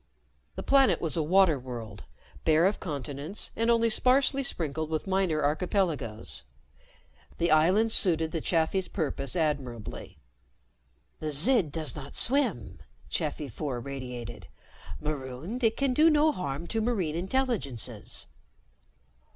The planet was a water world, bare of continents and only sparsely sprinkled with minor archipelagoes. The islands suited the Chafis' purpose admirably. "The Zid does not swim," Chafi Four radiated. "Marooned, it can do no harm to marine intelligences."